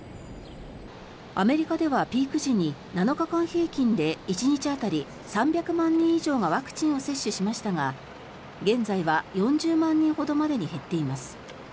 アメリカではピーク時に７日間平均で１日当たり３００万人以上がワクチンを接種しましたが現在は４０万人ほどまでに減っています。